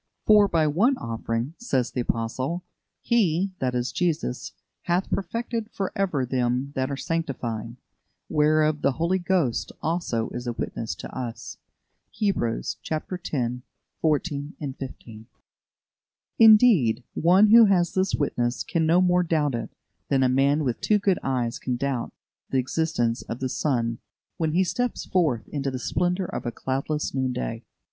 "For by one offering," says the Apostle, "He" (that is, Jesus) "hath perfected for ever them that are sanctified. Whereof the Holy Ghost also is a witness to us" (Hebrews x. 14, 15). Indeed, one who has this witness can no more doubt it than a man with two good eyes can doubt the existence of the sun when he steps forth into the splendour of a cloudless noon day.